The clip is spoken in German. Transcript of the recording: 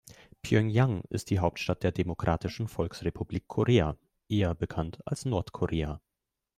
Pjöngjang ist die Hauptstadt der Demokratischen Volksrepublik Korea, eher bekannt als Nordkorea.